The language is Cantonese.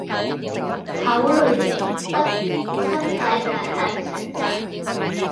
口裡說不，身體卻很誠實